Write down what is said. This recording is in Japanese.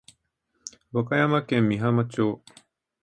和歌山県美浜町